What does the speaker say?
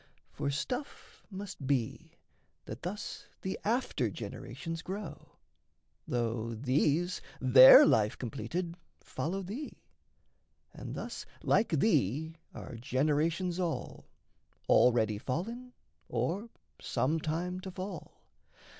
For stuff must be, That thus the after generations grow, Though these, their life completed, follow thee; And thus like thee are generations all Already fallen, or some time to fall.